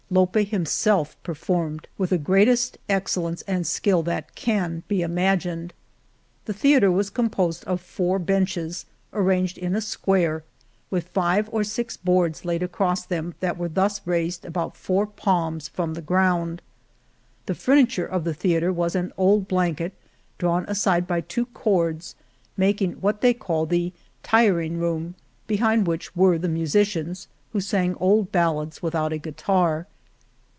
Lope himself performed with the greatest 193 The Morena excellence and skill that can be imagined. ... The theatre was composed of four benches, arranged in a square, with five or six boards laid across them, that were thus raised about four palms from the ground. ... The furniture of the theatre was an old blanket, drawn aside by two cords, mak ing what they call the tiring room, behind which were the musicians, who sang old bal lads without a guitar."